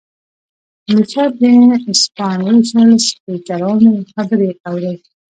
همېشه د انسپارېشنل سپيکرانو خبرې اورئ